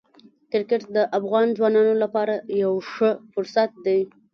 کرکټ د افغان ځوانانو لپاره یو ښه فرصت دی.